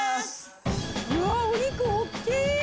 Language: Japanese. うわお肉大っきい！